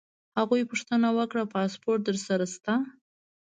هغه پوښتنه وکړه: پاسپورټ در سره شته؟